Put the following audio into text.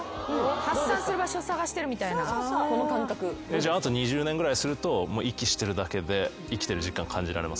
じゃああと２０年ぐらいすると息してるだけで生きてる実感を感じられますか？